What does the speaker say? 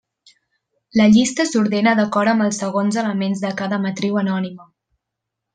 La llista s'ordena d'acord amb els segons elements de cada matriu anònima.